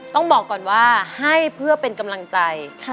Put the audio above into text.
ต้องบอกก่อนว่าให้เพื่อเป็นกำลังใจ